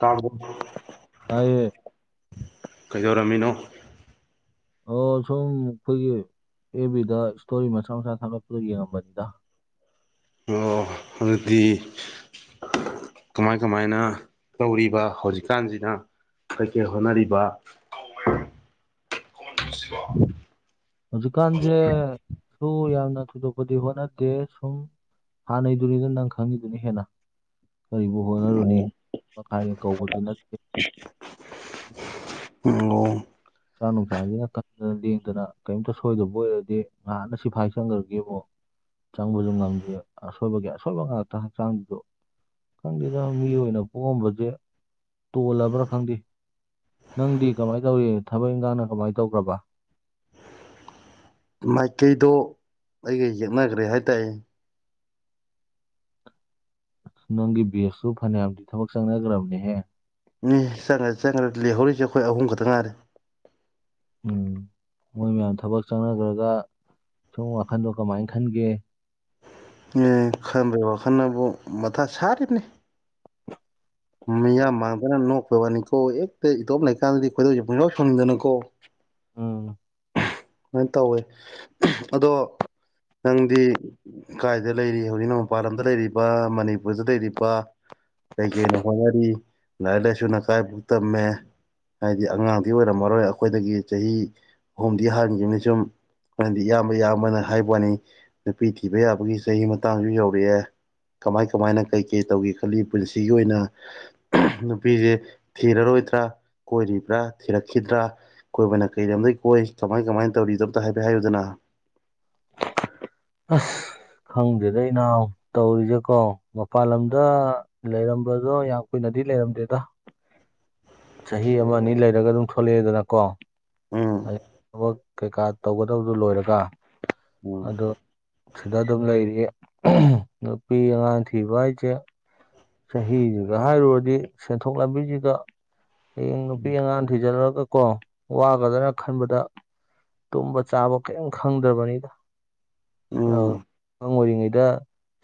ꯀꯥꯕꯨꯜ ꯇꯥꯏꯌꯦ ꯀꯩꯗꯧꯔꯝꯃꯤꯅꯣ ꯑꯣ ꯁꯨꯝ ꯑꯩꯈꯣꯏꯒꯤ ꯑꯦꯕꯤꯗ ꯏꯁꯇꯣꯔꯤ ꯃꯆꯥ ꯃꯆꯥ ꯊꯥꯂꯛꯄꯗ ꯌꯦꯡꯉꯝꯕꯅꯤꯗ ꯑꯣ ꯑꯗꯨꯗꯤ ꯀꯃꯥꯏ ꯀꯃꯥꯏꯅ ꯇꯧꯔꯤꯕ ꯍꯧꯖꯤꯛꯀꯥꯟꯁꯤꯅ ꯀꯩꯀꯩ ꯍꯣꯠꯅꯔꯤꯕ ꯍꯧꯖꯤꯛꯀꯥꯟꯁꯦ ꯁꯨ ꯌꯥꯝꯅ ꯊꯣꯏꯗꯣꯛꯄꯗꯤ ꯍꯣꯠꯅꯗꯦ ꯁꯨꯝ ꯍꯥꯟꯅꯩꯗꯨꯅꯤꯗ ꯅꯪ ꯈꯪꯉꯤꯗꯨꯅꯤ ꯍꯦꯟꯅ ꯀꯔꯤꯕꯨ ꯍꯣꯠꯅꯔꯨꯅꯤ ꯃꯈꯥꯏꯗ ꯀꯧꯕꯁꯨ ꯅꯠꯇꯦ [inaudible] ꯑꯣ ꯍꯛꯆꯥꯡ ꯅꯨꯡꯁꯥꯡꯁꯤꯅ ꯀꯟꯗꯅ ꯂꯦꯡꯗꯅ ꯀꯔꯤꯝꯇ ꯁꯣꯏꯗꯕ ꯑꯣꯏꯔꯗꯤ ꯉꯍꯥꯛꯅ ꯁꯤꯐꯥꯏ ꯆꯪꯈ꯭ꯔꯒꯦꯕꯣ ꯆꯪꯕꯁꯨ ꯉꯝꯗꯦ ꯑꯁꯣꯏꯕꯒꯤ ꯑꯁꯣꯏꯕ ꯉꯥꯛꯇ ꯍꯛꯆꯥꯡꯖꯤꯖꯨ ꯈꯪꯗꯦꯗ ꯃꯤ ꯑꯣꯏꯅ ꯄꯣꯛꯑꯝꯕꯁꯦ ꯇꯣꯜꯂꯕ꯭ꯔꯥ ꯈꯪꯗꯦ ꯅꯪꯗꯤ ꯀꯃꯥꯏꯅ ꯇꯧꯔꯤ ꯊꯕꯛ ꯏꯪꯈꯥꯡꯅ ꯀꯃꯥꯏꯅ ꯇꯧꯈ꯭ꯔꯕ ꯃꯥꯏꯀꯩꯗꯣ ꯑꯩꯒ ꯌꯦꯛꯅꯈ꯭ꯔꯦ ꯍꯥꯏꯇꯥꯔꯦ ꯑꯁ ꯅꯪꯒꯤ ꯕꯦꯁꯁꯨ ꯐꯅꯌꯥꯝꯗꯤ ꯊꯕꯛ ꯆꯪꯅꯈ꯭ꯔꯕꯅꯦꯍꯦ ꯃꯤ ꯆꯪꯉ꯭ꯔ ꯆꯪꯈ꯭ꯔ ꯂꯩꯍꯧꯔꯤꯁꯦꯈꯣꯏ ꯑꯍꯨꯝ ꯈꯛꯇꯪ ꯉꯥꯏꯔꯦ ꯎꯝ ꯃꯣꯏ ꯃꯌꯥꯝ ꯊꯕꯛ ꯆꯪꯅꯈ꯭ꯔꯒ ꯁꯨꯝ ꯋꯥꯈꯟꯗꯣ ꯀꯃꯥꯏꯅ ꯈꯟꯒꯦ ꯑꯦ ꯈꯟꯕ꯭ꯔꯦ ꯋꯥꯈꯜꯕꯨ ꯃꯊꯥ ꯁꯥꯔꯤꯕꯅꯤ ꯃꯤꯌꯥꯝ ꯃꯥꯡꯗꯅ ꯅꯣꯛꯄꯕꯅꯤꯀꯣ ꯍꯦꯛꯇ ꯏꯇꯣꯞ ꯂꯩꯀꯥꯟꯗꯗꯤ ꯈꯣꯏꯗꯧꯁꯦ ꯄꯨꯡꯌꯥꯥꯎ ꯁꯪꯅꯤꯡꯗꯅꯀꯣ ꯑꯣ ꯁꯨꯃꯥꯏꯅ ꯇꯧꯋꯦ ꯑꯗꯣ ꯅꯪꯗꯤ ꯀꯥꯏꯗ ꯂꯩꯔꯤ ꯍꯧꯖꯤꯛꯅ ꯃꯄꯥꯟ ꯂꯝꯗ ꯂꯩꯔꯤꯕ ꯃꯅꯤꯄꯨꯔꯗ ꯂꯩꯔꯤꯕ ꯀꯩꯀꯩꯅꯅꯣ ꯍꯣꯠꯅꯔꯤ ꯂꯥꯏꯔꯤꯛ ꯂꯥꯏꯁꯨ ꯀꯥꯏꯐꯥꯎ ꯇꯝꯃꯦ ꯍꯥꯏꯗꯤ ꯑꯉꯥꯡꯗꯤ ꯑꯣꯏꯔꯝꯃꯔꯣꯏ ꯑꯩꯈꯣꯏꯗꯒꯤ ꯆꯍꯤ ꯗꯤꯍꯥꯔꯅꯤ ꯆꯨꯝ ꯃꯔꯝꯗꯤ ꯏꯌꯥꯝꯕ ꯏꯕꯅ ꯍꯥꯏꯕ ꯋꯥꯅꯤ ꯅꯨꯄꯤ ꯊꯤꯕ ꯌꯥꯕꯒꯤ ꯆꯍꯤ ꯃꯇꯥꯡꯁꯨ ꯌꯧꯔꯛꯑꯦ ꯀꯃꯥꯏ ꯀꯃꯥꯏꯅ ꯀꯩ ꯀꯩ ꯇꯧꯒꯦ ꯈꯜꯂꯤ ꯄꯨꯟꯁꯤꯒꯤ ꯑꯣꯏꯅ ꯅꯨꯄꯤꯁꯦ ꯊꯤꯔꯔꯣꯏꯗ꯭ꯔꯥ ꯀꯣꯏꯔꯤꯕ꯭ꯔꯥ ꯊꯤꯔꯛꯈꯤꯗ꯭ꯔꯥ ꯀꯣꯏꯕꯅ ꯀꯩꯗ ꯑꯝꯗꯒꯤꯩ ꯀꯣꯏ ꯀꯃꯥꯏ ꯀꯃꯥꯏꯅ ꯇꯧꯔꯤꯣꯝꯇ ꯍꯥꯏꯐꯦ ꯍꯥꯏꯌꯨꯗꯅ ꯑꯁ ꯈꯪꯗꯦꯗ ꯏꯅꯥꯎ ꯇꯧꯔꯤꯁꯦ ꯀꯣ ꯃꯄꯜ ꯂꯝꯗ ꯂꯩꯔꯝꯕꯗꯣ ꯌꯥꯝ ꯀꯨꯏꯅꯗꯤ ꯂꯩꯔꯝꯗꯦꯗ ꯆꯍꯤ ꯑꯃ ꯑꯅꯤ ꯂꯩꯔꯒ ꯑꯗꯨꯝ ꯊꯣꯛꯂꯛꯑꯦꯗꯅ ꯀꯣ ꯎꯝ ꯑꯩ ꯊꯕꯛ ꯀꯩꯀꯥ ꯇꯧꯒꯗꯕꯗꯨ ꯂꯣꯏꯔꯒ ꯎꯝ ꯑꯗꯣ ꯁꯤꯗ ꯑꯗꯨꯝ ꯂꯩꯔꯤ ꯅꯨꯄꯤ ꯑꯉꯥꯡ ꯊꯤꯕ ꯍꯥꯏꯁꯦ ꯆꯍꯤꯁꯤꯒ ꯍꯥꯏꯔꯨꯔꯗꯤ ꯁꯦꯟꯊꯣꯛ ꯂꯝꯕꯤꯁꯤꯒ ꯍꯌꯦꯡ ꯅꯨꯄꯤ ꯑꯉꯥꯡ ꯊꯤꯖꯤꯜꯂꯨꯔꯒꯀꯣ ꯋꯥꯒꯗꯅ ꯈꯟꯕꯗ ꯇꯨꯝꯕ ꯆꯥꯕ ꯀꯔꯤꯝ ꯈꯪꯗ꯭ꯔꯕꯅꯤꯗ ꯑꯉꯥꯡ ꯎꯝ ꯑꯣꯏꯔꯤꯉꯩꯗ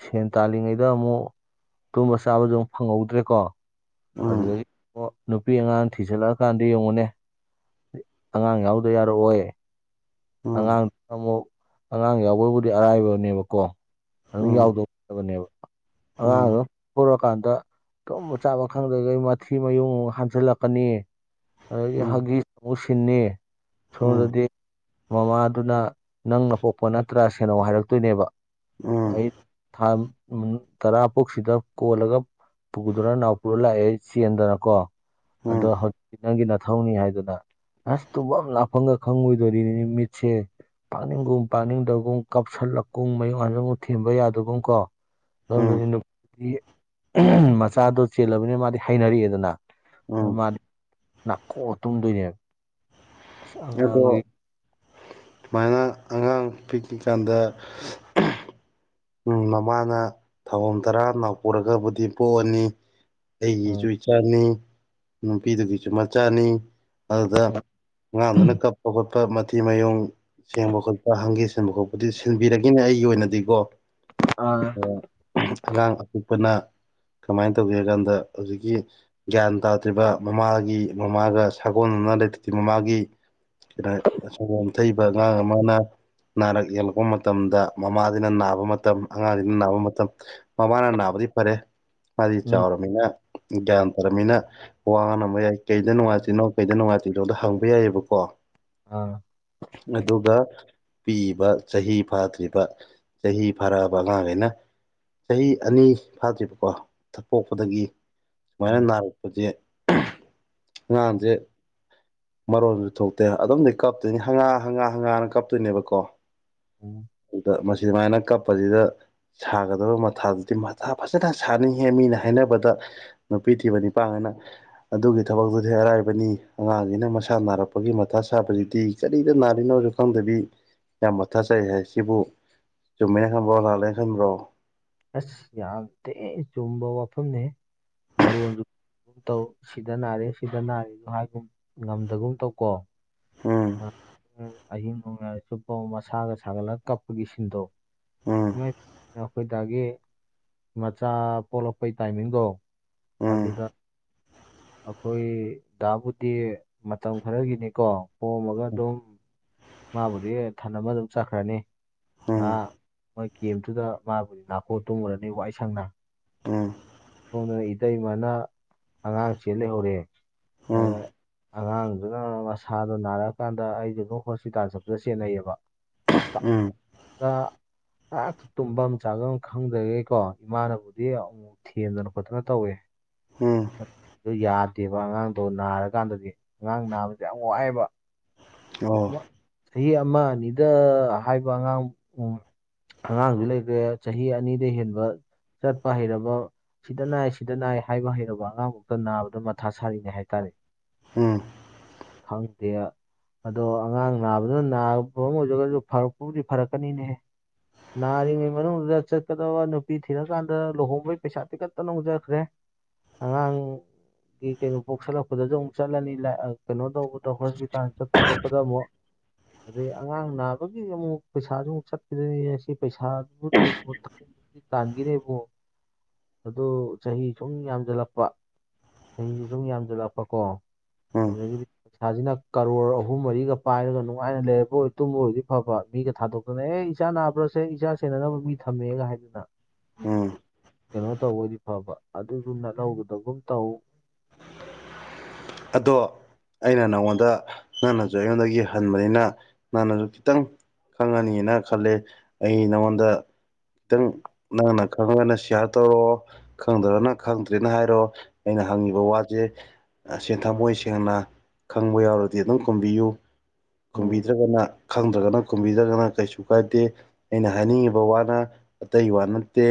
ꯁꯦꯟ ꯇꯥꯜꯂꯤꯉꯩꯗ ꯑꯃꯨꯛ ꯇꯨꯝꯕ ꯆꯥꯕꯁꯨꯨ ꯐꯪꯍꯧꯗ꯭ꯔꯦꯀꯣ ꯎꯝ ꯑꯗꯨꯗꯒꯤ ꯅꯨꯄꯤ ꯑꯉꯥꯡ ꯊꯤꯖꯜꯂꯛꯑꯀꯥꯟꯗ ꯌꯦꯡꯉꯨꯅꯦ ꯑꯉꯥꯡ ꯌꯥꯎꯗ ꯌꯥꯔꯛꯑꯣꯣꯏ ꯎꯝ ꯑꯉꯥꯡꯗꯨ ꯑꯃꯨꯛ ꯑꯉꯥꯡ ꯌꯥꯎꯕꯕꯨꯗꯤ ꯑꯔꯥꯏꯕꯅꯦꯕꯀꯣ ꯑꯗꯨꯝ ꯎꯝ ꯌꯥꯎꯗꯧꯕꯅꯦꯕ ꯎꯝ ꯎꯝ ꯑꯉꯥꯡ ꯄꯨꯔꯛꯀꯥꯟꯗ ꯇꯨꯝꯕ ꯆꯥꯕ ꯈꯪꯗ꯭ꯔꯒꯩ ꯃꯊꯤ ꯃꯌꯨꯡ ꯍꯟꯖꯜꯂꯛꯀꯅꯤ ꯑꯗꯨꯗꯒꯤ ꯍꯒꯤ ꯑꯃꯨ ꯁꯤꯟꯅꯤ ꯎꯝ ꯁꯣꯝꯗꯗꯤ ꯃꯃꯥꯗꯨꯅ ꯅꯪꯅ ꯄꯣꯛꯄ ꯅꯠꯇ꯭ꯔꯥ ꯁꯦꯅꯧ ꯍꯥꯏꯔꯛꯇꯣꯏꯅꯦꯕ ꯎꯝ ꯑꯩ ꯊꯥꯠ ꯇꯔꯥ ꯐꯨꯛ ꯁꯤꯗ ꯀꯣꯜꯂꯒ ꯄꯨꯒꯗꯅꯣ ꯅꯅꯥꯎ ꯄꯨꯔ ꯂꯥꯛꯑꯦ ꯆꯟꯗꯅꯀꯣ ꯎꯝ ꯑꯗꯣ ꯍꯧꯖꯤꯛꯇꯤ ꯅꯪꯒꯤ ꯅꯅꯥꯊꯧꯅꯤ ꯍꯥꯏꯗꯅ ꯑꯁ ꯇꯨꯝꯕ ꯑꯃ ꯂꯥꯞꯐꯝꯪꯒ ꯈꯪꯉꯣꯏꯗꯣꯔꯤꯅꯤ ꯃꯤꯠꯆꯦ ꯄꯥꯛꯅꯤꯡꯒꯨꯝ ꯄꯥꯛꯅꯤꯡꯗꯕꯒꯨꯝ ꯀꯥꯁꯤꯜꯂꯛꯀꯨꯝ ꯃꯌꯣꯛ ꯉꯥꯟꯟꯗꯨꯛ ꯊꯦꯝꯕ ꯌꯥꯗꯕꯨꯝ ꯀꯣ ꯎꯝ ꯅꯖꯅ ꯃꯆꯥꯗꯣ ꯆꯦꯜꯂꯕꯅꯤꯅ ꯃꯥꯗꯤ ꯍꯩꯅꯔꯛꯑꯦꯗꯅ ꯑꯗꯨ ꯎꯝ ꯃꯥꯗꯤ ꯅꯥꯀꯣꯛ ꯇꯨꯝꯗꯣꯏꯅꯦꯕ ꯑꯁ ꯑꯗꯣ ꯑꯉꯥꯡꯒꯤ ꯁꯨꯃꯥꯏꯅ ꯑꯉꯥꯡ ꯄꯤꯛꯏꯀꯥꯟꯗ ꯎ ꯃꯃꯥꯅ ꯊꯧꯕꯝ ꯇꯔꯥ ꯅꯥꯎ ꯄꯨꯔꯒꯕꯨꯗꯤ ꯄꯣꯛꯑꯅꯤ ꯑꯩꯒꯤꯁꯨ ꯎꯝ ꯏꯆꯥꯅꯤ ꯅꯨꯄꯤꯗꯨꯒꯤꯁꯨ ꯃꯆꯥꯅꯤ ꯑꯗꯨꯗ ꯉꯥꯡ ꯑꯗꯨꯅ ꯀꯄ ꯃꯇꯤ ꯃꯌꯣꯡ ꯁꯦꯡꯕ ꯈꯣꯠꯄ ꯍꯪꯒꯦ ꯁꯤꯟꯕ ꯈꯣꯠꯄꯗꯨ ꯁꯤꯟꯕꯤꯔꯦꯅꯦ ꯑꯩꯒꯤ ꯑꯣꯏꯅꯗꯤꯀꯣ ꯑ ꯑꯉꯥꯡ ꯑꯄꯤꯣꯛꯄꯅ ꯀꯃꯥꯏꯅ ꯇꯧꯒꯦ ꯍꯥꯏ ꯀꯥꯟꯗ ꯍꯧꯖꯤꯛꯀꯤ ꯒ꯭ꯌꯥꯟ ꯇꯥꯗ꯭ꯔꯤꯕ ꯃꯃꯥꯒꯤ ꯃꯃꯥꯒ ꯁꯥꯒꯣꯟꯅꯅ ꯂꯩꯇ꯭ꯔꯤ ꯃꯃꯥꯒꯤ ꯗ ꯑꯁꯨꯝꯕ ꯌꯥꯝꯝꯊꯩꯕ ꯑꯉꯥꯡ ꯑꯃꯅ ꯅꯥꯔꯛ ꯌꯦꯛꯂꯛꯄ ꯃꯇꯝꯗ ꯃꯃꯥꯁꯤꯅ ꯅꯥꯕ ꯃꯇꯝ ꯑꯉꯥꯡꯁꯤꯡꯅ ꯅꯥꯕ ꯃꯇꯝ ꯃꯃꯥꯅ ꯅꯥꯕꯗꯤ ꯐꯔꯦ ꯃꯥꯗꯤ ꯎꯝ ꯆꯥꯎꯔꯕꯅꯤꯅ ꯒ꯭ꯌꯥꯟ ꯇꯥꯔꯝꯃꯤꯅ ꯋꯥ ꯉꯝꯕ ꯌꯥꯏ ꯀꯩꯗ ꯅꯨꯡꯉꯥꯏꯇꯤꯅꯣ ꯀꯩꯗ ꯅꯨꯡꯉꯥꯏꯇꯅꯣꯗ ꯍꯪꯕ ꯌꯥꯏꯑꯕꯀꯣ ꯑ ꯑꯗꯨꯒ ꯄꯤꯕ ꯆꯍꯤ ꯐꯥꯗ꯭ꯔꯤꯕ ꯆꯍꯤ ꯐꯔꯛꯑꯕ ꯑꯉꯥꯡꯈꯩꯅ ꯆꯍꯤ ꯑꯅꯤ ꯐꯥꯗ꯭ꯔꯤꯕꯀꯣꯛ ꯄꯣꯛꯄꯗꯒꯤ ꯁꯨꯃꯥꯏꯅ ꯎꯝ ꯅꯥꯔꯛꯄꯁꯦ ꯑꯉꯥꯡꯁꯦ ꯃꯔꯣꯟꯁꯨ ꯊꯣꯛꯇꯦ ꯑꯗꯨꯝꯗꯤ ꯀꯞꯇꯣꯏꯅꯤ ꯍꯪꯒꯥꯥ ꯍꯪꯒꯥꯥ ꯍꯪꯒꯥꯥꯅ ꯀꯞꯇꯣꯏꯅꯦꯕꯀꯣ ꯎꯝ ꯃꯁꯤ ꯑꯗꯨꯃꯥꯏꯅ ꯀ ꯄꯁꯤꯗ ꯁꯥꯒꯗꯕ ꯃꯊꯥꯗꯨꯗꯤ ꯃꯊꯥ ꯐꯖꯅ ꯁꯥꯅꯤꯡꯉꯦ ꯃꯤꯅ ꯍꯥꯏꯅꯕꯗ ꯅꯨꯄꯤ ꯊꯤꯕꯅꯤ ꯄꯥꯡꯉꯅ ꯑꯗꯨꯒꯤ ꯊꯕꯛꯇꯨꯗꯤ ꯑꯔꯥꯏꯕꯅꯤ ꯑꯉꯥꯡꯁꯤꯅ ꯃꯁꯥ ꯅꯥꯔꯛꯄꯒꯤ ꯃꯊꯥ ꯁꯥꯕꯁꯤꯗꯤ ꯀꯔꯤꯗ ꯅꯥꯔꯤꯅꯣ ꯈꯪꯗꯕꯤ ꯌꯥꯝ ꯃꯊꯥꯖꯩ ꯍꯥꯏ ꯁꯤꯕꯨ ꯆꯨꯝꯃꯦꯅ ꯈꯪꯕ꯭ꯔꯣ ꯂꯅꯥꯂꯩꯅ ꯈꯪꯕ꯭ꯔꯣ ꯑꯁ ꯌꯥꯝ ꯊꯦ ꯆꯨꯝꯕ ꯋꯥꯐꯝꯅꯦ ꯃꯔꯣꯟꯁꯨ ꯒꯨꯝ ꯇꯧ ꯁꯤꯗ ꯅꯥꯔꯦ ꯁꯤꯗ ꯅꯥꯔꯦꯗꯣ ꯍꯥꯏꯒꯨꯝ ꯉꯝꯗꯒꯨꯝ ꯇꯧꯀꯣ ꯎꯝ ꯑꯍꯤꯡ ꯅꯅꯨꯡꯌꯥꯥꯏꯔꯁꯨ ꯄꯥꯎ ꯃꯁꯥꯒ ꯁꯥꯒꯠꯂꯒ ꯀꯞꯄꯒꯤ ꯁꯤꯟꯗꯣꯛ ꯎꯝ ꯈꯣꯏ ꯑꯗꯨꯗꯒꯤ ꯃꯆꯥ ꯄꯣꯛꯂꯛꯄꯩ ꯇꯥꯏꯃꯤꯡꯗꯣ ꯎꯝ ꯑꯗꯨꯗ ꯑꯩꯈꯣꯏ ꯗꯥꯕꯨꯗꯤ ꯃꯇꯝ ꯈꯔꯒꯤꯅꯤꯀꯣ ꯄꯣꯝꯃꯒ ꯑꯗꯨꯝ ꯃꯥꯕꯨꯗꯤ ꯊꯟ ꯑꯃ ꯑꯗꯨꯝ ꯆꯠꯈ꯭ꯔꯅꯤ ꯎꯝ ꯑ ꯃꯣꯏ ꯀꯦꯝꯇꯨꯗ ꯃꯥꯕꯨꯗꯤ ꯅꯥꯀꯣ ꯇꯨꯝꯔꯅꯤ ꯋꯥꯏ ꯁꯪꯅ ꯎꯝ ꯑꯣꯝꯗꯅ ꯏꯇꯩꯃꯅ ꯑꯉꯥꯡ ꯁꯦ ꯂꯩꯍꯧꯔꯦ ꯎꯝ ꯑꯗ ꯑꯉꯥꯡꯗꯨꯅ ꯃꯁꯥꯗꯣ ꯅꯥꯔꯛꯑꯀꯥꯟꯗ ꯑꯩꯗꯨꯒ ꯍꯣꯁꯄꯤꯇꯥꯜ ꯆꯠꯄꯗ ꯆꯦꯟꯅꯩꯌꯦꯕ ꯎꯝ ꯉꯥꯛ ꯇꯨꯝꯐꯝ ꯑꯃ ꯆꯥꯐꯝ ꯈꯪꯗ꯭ꯔꯒꯦꯀꯣ ꯏꯃꯥꯅꯕꯨꯗꯤ ꯑꯃꯨ ꯊꯤꯗꯅ ꯈꯣꯠꯇꯅ ꯇꯧꯋꯦ ꯎꯝ ꯌꯥꯗꯦꯕ ꯑꯉꯥꯡꯗꯣ ꯅꯥꯔꯀꯥꯟꯗꯒꯤ ꯑꯉꯥꯡ ꯅꯥꯕꯁꯦ ꯌꯥꯝ ꯋꯥꯏꯑꯦꯕ ꯑꯣ ꯆꯍꯤ ꯑꯃ ꯑꯅꯤꯗ ꯍꯥꯏꯕ ꯑꯉꯥꯡ ꯎ ꯑꯉꯥꯡꯁꯨ ꯂꯩꯈ꯭ꯔꯦ ꯆꯍꯤ ꯑꯅꯤꯗ ꯍꯦꯟꯕ ꯆꯠꯄ ꯍꯩꯔꯕ ꯁꯤꯗ ꯅꯥꯏ ꯁꯤꯗ ꯅꯥꯏ ꯍꯥꯏꯕ ꯍꯩꯔꯕ ꯑꯉꯥꯡꯃꯛꯇ ꯅꯥꯕꯗ ꯃꯊꯥ ꯁꯥꯔꯤꯅꯦ ꯍꯥꯏꯇꯥꯔꯦ ꯎꯝ ꯈꯪꯗꯦꯌꯥ ꯑꯗꯣ ꯑꯉꯥꯡ ꯅꯥꯕꯗꯨꯅ ꯅꯥꯕ ꯑꯃ ꯑꯣꯏꯖꯒꯁꯨ ꯐꯔꯛꯄꯕꯨꯗꯤ ꯐꯔꯛꯀꯅꯤꯅꯦ ꯅꯥꯔꯤꯉꯩ ꯃꯅꯨꯡꯗꯨꯗ ꯆꯠꯀꯗꯕ ꯅꯨꯄꯤ ꯊꯤꯔꯀꯥꯟꯗ ꯂꯨꯍꯣꯡꯕꯩ ꯄꯩꯁꯥꯇꯤ ꯀꯛꯇ ꯅꯣꯡꯖꯈ꯭ꯔꯦ ꯑꯉꯥꯡ ꯀꯩꯅꯣ ꯄꯣꯛꯁꯜꯂꯛꯄꯗꯁꯨ ꯑꯃꯨꯛ ꯆꯠꯂꯅꯤ ꯀꯩꯅꯣ ꯇꯧꯕꯗ ꯍꯣꯁꯄꯤꯇꯥꯜ ꯆꯠꯄ ꯈꯣꯠꯄꯗ ꯑꯃꯨꯛ ꯑꯗꯩ ꯑꯉꯥꯡ ꯅꯥꯕꯒꯤ ꯑꯃꯨꯛ ꯄꯩꯁꯥꯁꯨ ꯑꯃꯨꯛ ꯆꯠꯈꯤꯗꯣꯏꯅꯤ ꯁꯤ ꯄꯩꯁꯥꯗꯨꯕꯨꯗꯤꯕꯨꯗꯤ ꯇꯥꯟꯈꯤꯔꯦꯕꯨ ꯑꯗꯨ ꯆꯍꯤ ꯁꯨꯝ ꯌꯥꯝꯁꯤꯜꯂꯛꯄ ꯆꯍꯤꯁꯤ ꯁꯨꯝ ꯌꯥꯝꯁꯤꯜꯂꯛꯄ ꯀꯣ ꯎꯝ ꯑꯗꯨꯗꯒꯤꯗꯤ ꯏꯁꯥꯁꯤꯅ ꯀꯔꯣꯔ ꯑꯍꯨꯝ ꯃꯔꯤꯒ ꯄꯥꯏꯔꯒ ꯅꯨꯡꯉꯥꯏꯅ ꯂꯩꯔꯕ ꯑꯣꯏ ꯇꯨꯝꯕꯔꯗꯤ ꯐꯕ ꯃꯤꯒ ꯊꯥꯗꯣꯛ ꯑꯗꯨꯅ ꯑꯦ ꯏꯆꯥ ꯅꯥꯕ꯭ꯔꯁꯦ ꯏꯆꯥ ꯁꯦꯟꯅꯅꯕ ꯃꯤ ꯊꯝꯃꯦꯒ ꯍꯥꯏꯗꯅ ꯎꯝ ꯀꯩꯅꯣ ꯇꯧꯕꯗꯤ ꯐꯕ ꯑꯗꯨꯗꯨꯅꯍꯧꯕꯗꯒꯨꯝ ꯇꯧ ꯑꯗꯣ ꯑꯩꯅ ꯅꯉꯣꯟꯗ ꯅꯪꯅꯁꯨ ꯑꯩꯉꯣꯟꯗꯒꯤ ꯍꯟꯕꯅꯤꯅ ꯅꯪꯅꯁꯨ ꯈꯤꯇꯪ ꯈꯪꯉꯅꯤꯅ ꯈꯜꯂꯦ ꯑꯩ ꯅꯉꯣꯟꯗ ꯈꯤꯇꯪ ꯅꯪꯅ ꯈꯪꯉꯒꯅ ꯁꯤꯌꯥꯔ ꯇꯧꯔꯛꯑꯣ ꯈꯪꯗꯕꯅ ꯈꯪꯗ꯭ꯔꯦꯅ ꯍꯥꯏꯔꯣ ꯑꯩꯅ ꯍꯪꯉꯤꯕ ꯋꯥꯁꯦ ꯁꯦ ꯊꯃꯣꯏ ꯁꯦꯡꯅ ꯈꯪꯕ ꯌꯥꯎꯔꯗꯤ ꯑꯗꯨꯝ ꯈꯨꯝꯕꯤꯌꯨ ꯎꯝ ꯈꯨꯝꯕꯤꯗ꯭ꯔꯒꯅ ꯈꯪꯗ꯭ꯔꯒꯅ ꯀꯨꯝꯕꯤꯗ꯭ꯔꯒꯅ ꯀꯩꯁꯨ ꯀꯥꯏꯗꯦ ꯑꯩꯅ ꯎꯝ ꯍꯥꯏꯅꯤꯡꯉꯤꯕ ꯋꯥꯅ ꯑꯇꯩ ꯋꯥ ꯅꯠꯇꯦ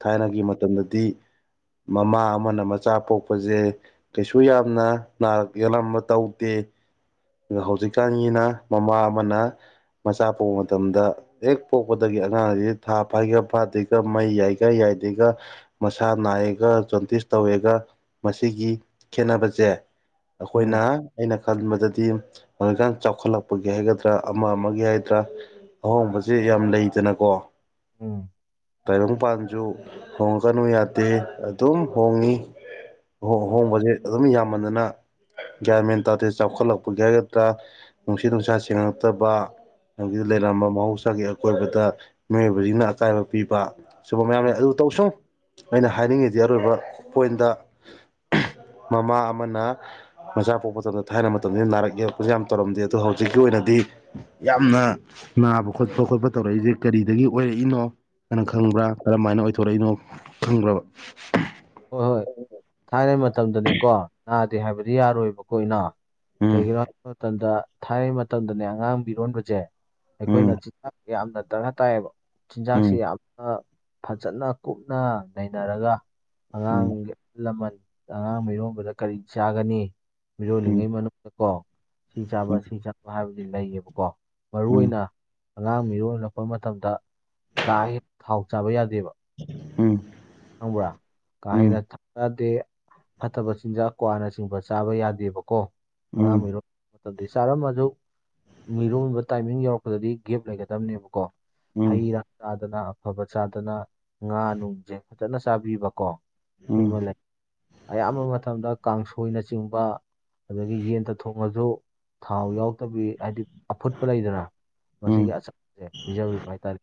ꯊꯥꯏꯅꯒꯤ ꯃꯇꯝꯗꯗꯤ ꯃꯃꯥ ꯑꯃꯅ ꯃꯆꯥ ꯄꯣꯛꯄꯁꯦ ꯀꯩꯁꯨ ꯌꯥꯝꯅ ꯅꯥꯔꯛ ꯌꯦꯦꯜꯂꯝꯕ ꯇꯧꯗꯦ ꯑ ꯍꯧꯖꯤꯛꯀꯥꯟꯒꯤꯅ ꯃꯃꯥ ꯑꯃꯅ ꯃꯆꯥ ꯄꯣꯛꯄ ꯃꯇꯝꯗ ꯍꯦꯛ ꯄꯣꯛꯄꯗꯒꯤ ꯑꯉꯥꯡꯁꯤ ꯊꯥ ꯐꯥꯏꯒ ꯐꯥꯗ꯭ꯔꯤꯒ ꯃꯩ ꯌꯥꯏꯒ ꯌꯥꯏꯗ꯭ꯔꯤꯒ ꯃꯁꯥ ꯅꯥꯏꯑꯒ ꯖꯣꯟꯇꯤꯁ ꯇꯧꯋꯒ ꯃꯁꯤꯒꯤ ꯈꯦꯅꯕꯁꯦ ꯑꯩꯈꯣꯏꯅ ꯑꯩꯅ ꯈꯟꯕꯗꯗꯤ ꯍꯧꯖꯤꯛꯀꯥꯟ ꯆꯥꯎꯈꯠꯂꯛꯄꯒꯤ ꯍꯥꯏꯒꯗ꯭ꯔꯥ ꯑꯃ ꯑꯃꯒꯤ ꯍꯥꯏꯒꯗ꯭ꯔꯥ ꯑꯍꯣꯡꯕꯁꯦ ꯌꯥꯝ ꯂꯩꯗꯅꯀꯣ ꯎꯝ ꯎꯝ ꯇꯥꯏꯕꯪꯄꯥꯟꯁꯨ ꯍꯣꯡꯉꯀꯅꯨ ꯌꯥꯗꯦ ꯑꯗꯨꯝ ꯍꯣꯡꯉꯤ ꯎꯝ ꯍꯣꯡꯕꯁꯦ ꯑꯗꯨꯝ ꯌꯥꯝꯃꯟꯗꯅ ꯒ꯭ꯌꯥꯟꯃꯦꯟ ꯇꯥꯗꯦ ꯆꯥꯎꯈꯠꯂꯛꯄꯒꯤ ꯍꯥꯏꯒꯗ꯭ꯔꯥ ꯅꯨꯡꯁꯤꯠ ꯅꯨꯡꯁꯥ ꯁꯦꯡꯉꯛꯇꯕ ꯑ ꯂꯩꯔꯝꯕ ꯃꯍꯧꯁꯥꯒꯤ ꯑꯀꯣꯏꯕꯗ ꯃꯤꯑꯣꯏꯕꯁꯤꯡꯅ ꯑꯀꯥꯏꯕ ꯄꯤꯕ ꯁꯨꯨꯝꯕ ꯃꯌꯥꯝ ꯎꯝ ꯂꯩ ꯑꯗꯨ ꯇꯧꯁꯨꯡ ꯑꯩꯅ ꯍꯥꯏꯅꯤꯡꯉꯤꯗꯤ ꯑꯔꯣꯏꯕ ꯄꯣꯏꯟꯗ ꯃꯃꯥ ꯑꯃꯅ ꯃꯆꯥ ꯄꯣꯛꯄ ꯃꯇꯝꯗ ꯊꯥꯏꯅ ꯃꯇꯝꯁꯤꯗ ꯅꯥꯔꯛ ꯌꯦꯛꯂꯛꯄꯁꯨ ꯌꯥꯝ ꯇꯧꯔꯝꯗꯦ ꯑꯗꯣ ꯍꯧꯖꯤꯛꯀꯤ ꯑꯣꯏꯅꯗꯤ ꯌꯥꯝꯅ ꯅꯥꯕ ꯈꯣꯠꯄ ꯈꯣꯠꯄ ꯇꯧꯔꯛꯏꯁꯦ ꯀꯔꯤꯗꯒꯤ ꯑꯣꯏꯔꯛꯏꯅꯣ ꯍꯥꯏꯅ ꯈꯪꯕ꯭ꯔꯥ ꯀꯔꯝꯃ ꯍꯥꯏꯅ ꯑꯣꯏꯊꯣꯔꯛꯏꯅꯣ ꯈꯪꯕ꯭ꯔꯕ ꯍꯣꯏ ꯍꯣꯏ ꯊꯥꯏꯅ ꯃꯇꯝꯗꯅꯦꯀꯣ ꯅꯥꯗꯦ ꯍꯥꯏꯕꯗꯤ ꯌꯥꯔꯣꯏꯕꯀꯣꯩꯅ ꯎꯝ ꯀꯩꯒꯤꯅꯣ ꯍꯥꯏꯕ ꯃꯇꯝꯗ ꯊꯥꯏꯅꯩ ꯃꯇꯝꯗꯅꯦ ꯑꯉꯥꯡꯕꯤꯔꯣꯟꯕꯁꯦ ꯎꯝ ꯑꯩꯈꯣꯏꯅ ꯌꯥꯝꯅ ꯗꯔꯀꯥꯔ ꯇꯥꯏꯌꯦꯕ ꯆꯤꯟꯖꯥꯛꯁꯤ ꯎꯝ ꯌꯥꯝꯅ ꯐꯖꯅ ꯀꯨꯞꯅ ꯅꯩꯅꯔꯒ ꯑꯉꯥꯡ ꯎꯝ ꯑꯍꯜ ꯂꯃꯟ ꯑꯉꯥꯡ ꯃꯤꯔꯣꯟꯕꯗ ꯀꯔꯤ ꯆꯥꯒꯅꯤ ꯃꯤꯔꯣꯜꯂꯤꯉꯩ ꯃꯅꯨꯡꯗꯀꯣ ꯁꯤ ꯆꯥꯕ ꯎꯝ ꯁꯤ ꯆꯥꯕ ꯍꯥꯏꯕꯗꯤ ꯂꯩꯌꯦꯕꯀꯣ ꯎꯝ ꯃꯔꯨꯏꯅ ꯑꯉꯥꯡ ꯃꯤꯔꯣꯜꯜꯂꯛꯄ ꯃꯇꯝꯗ ꯀꯥꯒꯤ ꯊꯥꯎ ꯆꯥꯕ ꯌꯥꯗꯦꯕ ꯎꯝ ꯈꯪꯕ꯭ꯔꯥ ꯀꯥ ꯎꯝ ꯍꯦꯅ ꯊꯥꯗꯦ ꯐꯠꯇꯕ ꯆꯤꯟꯖꯥꯛ ꯀ꯭ꯋꯥꯅꯆꯤꯡꯕ ꯆꯥꯕ ꯌꯥꯗꯦꯕꯀꯣ ꯑꯉꯥꯡ ꯎꯝ ꯑꯣꯏꯔꯣ ꯑꯗꯨꯗꯤ ꯆꯥꯔꯝꯃꯁꯨ ꯃꯤꯔꯣꯟꯕ ꯇꯥꯏꯃꯤꯡ ꯌꯧꯔꯛꯄꯗꯗꯤ ꯒꯦꯞ ꯂꯩꯒꯗꯕꯅꯦꯕꯀꯣ ꯍꯩ ꯎꯝ ꯔꯥ ꯆꯥꯗꯅ ꯑꯐꯕ ꯆꯥꯗꯅ ꯉꯥ ꯅꯨꯡꯁꯦ ꯐꯖꯅ ꯆꯥꯕꯤꯕꯀꯣ ꯁꯤꯃ ꯎꯝ ꯂꯩ ꯑꯌꯥꯝꯕ ꯃꯇꯝꯗ ꯀꯥꯡꯁꯣꯏꯅꯆꯤꯡꯕ ꯑꯗꯒꯤ ꯌꯦꯟꯗ ꯊꯣꯡꯉꯁꯨ ꯊꯥꯎ ꯌꯥꯎꯗꯕꯤ ꯍꯥꯏꯗꯤ ꯑꯐꯨꯠꯄ ꯂꯩꯗꯅ ꯃꯁꯤꯒꯤ ꯎꯝ ꯑꯆꯝꯕꯁꯦ ꯄꯤꯖꯕꯤꯕ ꯍꯥꯏꯇꯥꯔꯦ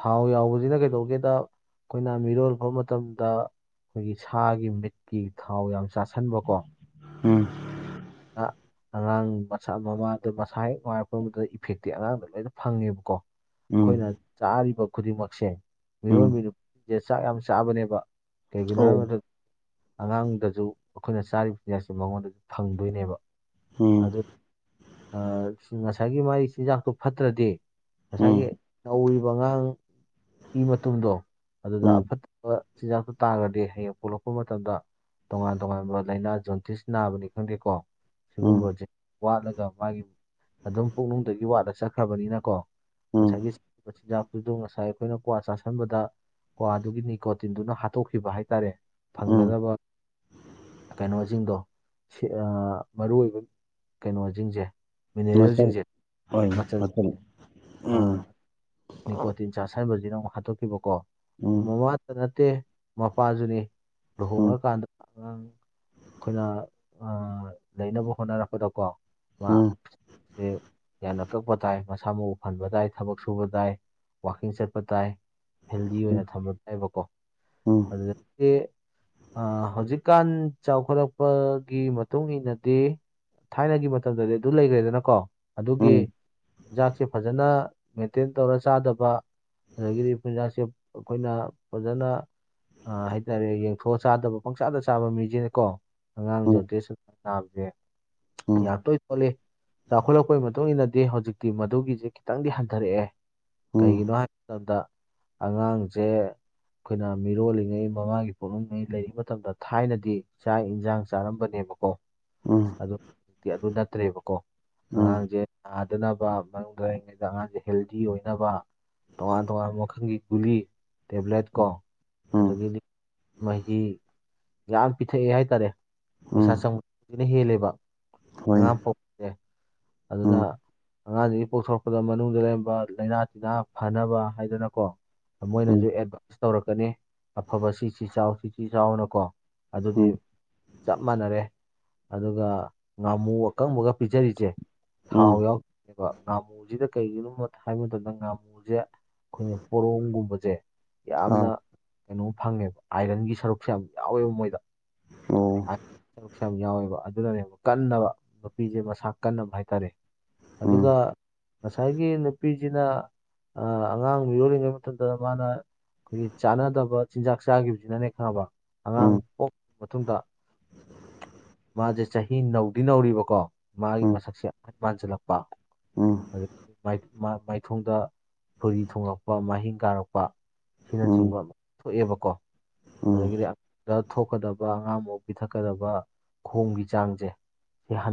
ꯊꯥꯎ ꯌꯥꯎꯕꯁꯤꯅ ꯀꯩꯗꯧꯒꯦꯗ ꯑꯩꯈꯣꯏꯅ ꯃꯤꯔꯣꯜ ꯐꯥꯎ ꯃꯇꯝꯗ ꯑꯩꯈꯣꯏꯒꯤ ꯁꯥꯒꯤ ꯃꯤꯠꯀꯤ ꯊꯥꯎ ꯌꯥꯝ ꯆꯥꯁꯟꯕ꯭ꯔꯀꯣ ꯎꯝ ꯑ ꯑꯉꯥꯡ ꯃꯁ ꯃꯃꯥꯗ ꯃꯁꯥ ꯍꯦꯛ ꯋꯥꯔꯛꯄꯗꯨꯗ ꯏꯐꯦꯛꯇꯤ ꯑꯉꯥꯡꯗꯣ ꯂꯣꯏꯅ ꯐꯪꯉꯦꯕꯀꯣ ꯑꯩꯈꯣꯏꯅ ꯎꯝ ꯆꯥꯔꯤꯕ ꯈꯨꯗꯤꯡꯃꯛꯁꯦ ꯃꯤꯔꯣꯟ ꯎꯝ ꯦ ꯆꯥꯛ ꯌꯥꯝ ꯆꯥꯕꯅꯦꯕ ꯀꯩꯒꯤꯅꯣ ꯍꯥꯏꯕ ꯑꯣ ꯃꯇꯝꯗ ꯑꯉꯥꯡꯗꯁꯨ ꯑꯩꯈꯣꯏꯅ ꯆꯥꯔꯤꯕ ꯐꯤꯅꯦꯁꯁꯦ ꯃꯉꯣꯟꯗꯁꯨ ꯐꯪꯗꯣꯏꯅꯦꯕ ꯎꯝ ꯑꯗꯨ ꯉꯁꯥꯏꯒꯤ ꯃꯥꯥꯏ ꯆꯤꯟꯖꯥꯛꯇꯨ ꯐꯠꯇ꯭ꯔꯗꯤ ꯉꯁꯥꯏꯒꯤ ꯎꯝ ꯅꯧꯔꯤꯕ ꯑꯉꯥꯡ ꯏ ꯃꯇꯨꯡꯗꯣ ꯑꯗꯨꯗ ꯎꯝ ꯑꯐꯠꯇꯕ ꯆꯤꯟꯖꯥꯛꯇꯣ ꯇꯥꯔꯒꯗꯤ ꯍꯌꯦꯡ ꯄꯣꯛꯂꯛꯄ ꯃꯇꯝꯗ ꯇꯣꯉꯥꯟ ꯇꯣꯉꯥꯟꯕ ꯂꯥꯏꯅꯥ ꯖꯣꯟꯇꯤꯁ ꯅꯥꯕꯅꯤ ꯈꯪꯗꯦꯀꯣ ꯎꯝ ꯁꯤꯒꯨꯝꯕꯁꯦ ꯋꯥꯠꯂꯒ ꯃꯥꯒꯤ ꯑꯗꯨꯝ ꯄꯨꯛꯅꯨꯡꯗꯒꯤ ꯋꯥꯠꯂ ꯆꯠꯈ꯭ꯔꯕꯅꯤꯅꯀꯣ ꯎꯝ ꯉꯁꯥꯏꯒꯤꯥꯕ ꯆꯤꯟꯖꯥꯛꯇꯨꯗ ꯉꯁꯥꯏ ꯑꯩꯈꯣꯏꯅ ꯀ꯭ꯋꯥ ꯆꯥꯥꯁꯟꯕꯗ ꯀꯣ ꯑꯗꯨꯒꯤ ꯅꯤꯀꯣꯇꯤꯟꯗꯨꯅ ꯍꯥꯠꯇꯣꯛꯈꯤꯕ ꯍꯥꯏꯇꯥꯔꯦ ꯎꯝ ꯐꯪꯒꯗꯕ ꯀꯩꯅꯣꯁꯤꯡꯗꯣ ꯃꯔꯨ ꯑꯣꯏꯕ ꯀꯩꯅꯣꯁꯤꯡꯁꯦ ꯃꯆꯜ ꯃꯤꯅꯔꯦꯜꯁꯤꯡꯁꯦ ꯑꯣꯏ ꯃꯆꯜꯦ ꯃꯆꯜ ꯎꯝ ꯂꯀꯣ ꯇꯤꯟ ꯆꯥ ꯁ꯭ꯥꯏꯕꯁꯤꯗ ꯑꯃꯨꯛ ꯍꯥꯠꯇꯣꯛꯈꯤꯕꯀꯣ ꯎꯝ ꯃꯃꯥꯗ ꯅꯠꯇꯦ ꯃꯄꯥꯖꯅꯤ ꯎꯝ ꯎꯝ ꯂꯨꯍꯣꯡꯉꯀꯥꯟꯗ ꯑꯉꯥꯡ ꯑꯩꯈꯣꯏꯅ ꯂꯩꯅꯕ ꯍꯣꯠꯅꯔꯛꯄꯗꯀꯣ ꯃꯥ ꯎꯝ ꯁꯦ ꯌꯥꯝꯅ ꯀꯛꯄ ꯇꯥꯏ ꯃꯁꯥ ꯃꯎ ꯐꯟꯕ ꯇꯥꯏ ꯊꯕꯛ ꯁꯨꯕ ꯇꯥꯏ ꯋꯥꯋꯀꯤꯡ ꯆꯠꯄ ꯇꯥꯏ ꯍꯦꯜꯗꯤ ꯑꯣꯏꯅ ꯎꯝ ꯊꯝꯕ ꯇꯥꯏꯕꯀꯣ ꯎꯝ ꯎꯝ ꯎꯝ ꯎꯝ ꯑꯗꯨꯦ ꯍꯧꯖꯤꯛꯀꯥꯟ ꯆꯥꯎꯈꯠꯂꯛꯄꯒꯤ ꯃꯇꯨꯡ ꯏꯟꯅꯗꯤ ꯊꯥꯏꯅꯒꯤ ꯃꯇꯝꯗꯗꯤ ꯑꯗꯨ ꯂꯩꯈ꯭ꯔꯦꯗꯅꯀꯣ ꯎꯝ ꯑꯗꯨꯒꯤ ꯎꯝ ꯎꯝ ꯆꯤꯟꯖꯥꯛꯁꯦ ꯐꯖꯅ ꯃꯦꯟꯇꯦꯟ ꯇꯧꯔ ꯆꯥꯗꯕ ꯑꯗꯒꯤꯗꯤꯐꯤꯟꯖꯥꯛꯁꯦ ꯑꯩꯈꯣꯏꯅ ꯐꯖꯅ ꯑ ꯍꯥꯏꯇꯥꯔꯦ ꯌꯦꯡꯊꯣꯛꯑ ꯆꯥꯗꯕ ꯄꯪꯆꯥꯥꯗ ꯆꯥꯕ ꯃꯤꯁꯤꯅꯦꯀꯣ ꯑꯉꯥꯡꯁꯨꯣꯠꯇꯇꯩ ꯁꯨ ꯅꯥꯕꯁꯦ ꯌꯥꯝ ꯇꯣꯏ ꯊꯣꯛꯣꯂ ꯆꯥꯎꯈꯠꯂꯛꯄꯒꯤ ꯃꯇꯨꯡ ꯏꯟꯅꯗꯤ ꯍꯧꯖꯤꯛꯇꯤ ꯃꯗꯨꯒꯤꯁꯦ ꯈꯤꯇꯪꯗꯤ ꯍꯟꯊꯔꯛꯑꯦ ꯀꯩꯒꯤꯅꯣ ꯍꯥꯏꯕ ꯃꯇꯝꯗ ꯑꯉꯥꯡꯁꯦ ꯑꯩꯈꯣꯏꯅ ꯃꯤꯔꯣꯜꯂꯤꯉꯩ ꯃꯃꯥꯒꯤ ꯄꯣꯠꯅꯤꯡꯉꯩ ꯂꯩꯔꯤ ꯃꯇꯝꯗ ꯊꯥꯏꯅꯗꯤ ꯆꯥꯛ ꯏꯟꯁꯥꯡ ꯆꯥꯔꯝꯕꯅꯦꯕ ꯑꯣ ꯎꯝ ꯑꯗꯨ ꯍꯧꯖꯤꯛꯇꯤ ꯑꯗꯨ ꯅꯠꯇ꯭ꯔꯦꯕꯀꯣ ꯑꯉꯥꯡꯁꯦ ꯊꯅꯥꯗꯅꯕ ꯃꯅꯨꯡꯗ ꯂꯩꯔꯤꯉꯩꯗ ꯑꯉꯥꯡꯁꯦ ꯍꯦꯜꯗꯤ ꯑꯣꯏꯅꯕ ꯇꯣꯉꯥꯟ ꯇꯣꯉꯥꯟꯕ ꯃꯈꯜꯒꯤ ꯒꯨꯂꯤ ꯇꯦꯕ꯭ꯂꯦꯠ ꯀꯣ ꯑꯗꯨꯗꯒꯤꯗꯤ ꯃꯍꯤ ꯌꯥꯝ ꯄꯤꯊꯛꯑꯦ ꯍꯥꯏꯇꯥꯔꯦ ꯄꯩꯁꯥ ꯆꯪꯕꯕꯁꯤꯅ ꯍꯦꯜꯂꯦꯕ ꯑꯉꯥꯡ ꯍꯣꯏꯅꯦ ꯐꯥꯎ ꯑꯦꯦ ꯑꯗꯨꯗ ꯎꯝ ꯑꯉꯥꯡꯁꯤꯗꯒꯤ ꯄꯣꯛꯊꯣꯔꯛꯄꯗ ꯃꯅꯨꯡꯗ ꯂꯩꯔꯝꯕ ꯂꯥꯏꯅꯥ ꯇꯤꯟꯅꯥ ꯐꯅꯕ ꯍꯥꯏꯗꯅꯀꯣ ꯎꯝ ꯃꯣꯏꯅꯁꯨ ꯑꯦꯗꯚꯥꯏꯁ ꯇꯧꯔꯛꯀꯅꯤ ꯑꯐꯕ ꯁꯤꯁꯤ ꯆꯥꯎ ꯁꯤꯁꯤ ꯆꯥꯎꯅ ꯀꯣ ꯑꯗꯨꯗꯤ ꯎꯝ ꯆꯞ ꯃꯥꯟꯅꯔꯦ ꯑꯗꯨꯒ ꯉꯥꯃꯨ ꯑꯀꯪꯕꯒ ꯄꯤꯖꯔꯤꯁꯦ ꯊꯥꯎ ꯎꯝ ꯌꯥꯎꯅꯦꯀꯣ ꯉꯥꯃꯨꯁꯤꯗ ꯀꯩꯒꯤꯅꯣꯕ ꯍꯥꯏꯕ ꯃꯇꯝꯗ ꯉꯥꯃꯨꯁꯦ ꯑꯩꯈꯣꯏꯅ ꯄꯣꯔꯣꯝꯒꯨꯝꯕ ꯁꯦ ꯑꯥ ꯌꯥꯝꯅ ꯀꯩꯅꯣꯝ ꯐꯪꯉꯦꯕ ꯑꯥꯏꯔꯟꯒꯤ ꯁꯔꯨꯛꯁꯦ ꯌꯥꯝ ꯌꯥꯎꯋꯦꯕ ꯃꯣꯏꯗ ꯑꯣ ꯎꯝ ꯁꯔꯨꯛꯁꯨ ꯌꯥꯝ ꯌꯥꯎꯋꯦꯕ ꯑꯗꯨꯅꯅꯦꯕ ꯀꯟꯅꯕ ꯅꯨꯄꯤꯁꯦ ꯃꯁꯥ ꯀꯟꯅꯕ ꯍꯥꯏꯇꯥꯔꯦ ꯑꯗꯨꯒ ꯎꯝ ꯉꯁꯥꯏꯒꯤ ꯅꯨꯄꯤꯁꯤꯅ ꯑ ꯑꯉꯥꯡ ꯌꯣꯜꯂꯤꯉꯩ ꯃꯇꯝꯇꯗ ꯃꯥꯅ ꯑꯩꯈꯣꯏꯒꯤ ꯆꯥꯟꯅꯗꯕ ꯆꯤꯟꯖꯥꯛ ꯆꯥꯈꯤꯕꯁꯤꯅꯅꯦ ꯈꯪꯕ ꯑꯉꯥꯡ ꯄꯣꯛꯈꯕ ꯃꯇꯨꯡꯗ ꯃꯥꯁꯦ ꯆꯍꯤ ꯅꯧꯗꯤ ꯅꯧꯔꯤꯕꯀꯣ ꯃꯥꯒꯤ ꯎꯝ ꯃꯁꯛꯁꯦ ꯃꯥꯟꯁꯤꯜꯂꯛꯄ ꯎꯝ ꯑꯗꯒꯤ ꯃꯥꯏꯊꯣꯡꯗ ꯐꯨꯔꯤ ꯊꯣꯉꯛꯄ ꯃꯍꯤꯡ ꯀꯥꯔꯛꯄ ꯎꯝ ꯑꯁꯤꯅꯆꯤꯡꯕ ꯑꯃ ꯊꯣꯛꯑꯦꯕꯀꯣ ꯎꯝ ꯑꯗꯒꯤꯗꯤ ꯑꯗ ꯊꯣꯛꯀꯗꯕ ꯑꯉꯥꯡ ꯃ ꯄꯤꯊꯛꯀꯗꯕ ꯈꯣꯡꯒꯤ ꯆꯥꯡꯁꯦ ꯁꯤ